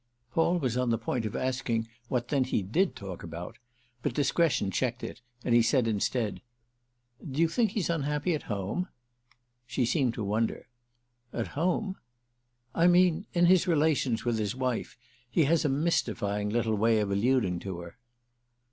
Paul was on the point of asking what then he did talk about, but discretion checked it and he said instead: "Do you think he's unhappy at home?" She seemed to wonder. "At home?" "I mean in his relations with his wife. He has a mystifying little way of alluding to her."